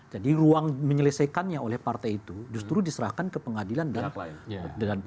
jadi ruang menyelesaikannya oleh partai itu justru diserahkan ke pengadilan dan pemerintah